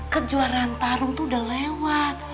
kejuaraan tarung tuh udah lewat